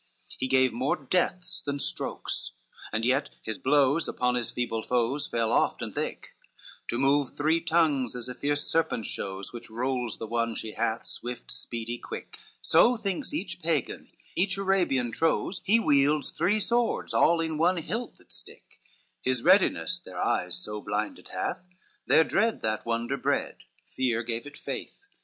LV He gave more deaths than strokes, and yet his blows Upon his feeble foes fell oft and thick, To move three tongues as a fierce serpent shows, Which rolls the one she hath swift, speedy, quick, So thinks each Pagan; each Arabian trows He wields three swords, all in one hilt that stick; His readiness their eyes so blinded hath, Their dread that wonder bred, fear gave it faith.